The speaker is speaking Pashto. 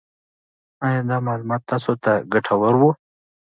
آیا دا معلومات تاسو ته ګټور وو؟